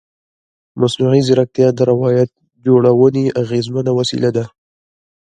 مصنوعي ځیرکتیا د روایت جوړونې اغېزمنه وسیله ده.